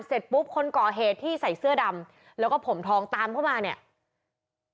เสร็จปุ๊บคนก่อเหตุที่ใส่เสื้อดำแล้วก็ผมทองตามเข้ามาเนี่ย